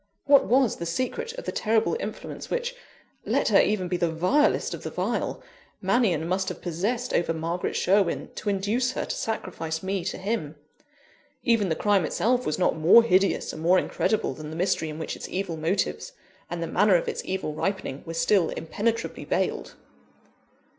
What was the secret of the terrible influence which let her even be the vilest of the vile Mannion must have possessed over Margaret Sherwin, to induce her to sacrifice me to him? Even the crime itself was not more hideous and more incredible than the mystery in which its evil motives, and the manner of its evil ripening, were still impenetrably veiled.